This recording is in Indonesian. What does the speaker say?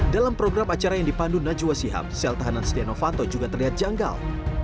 dalam program acara yang dipandu najwa sihab sel tahanan setia novanto juga terlihat janggal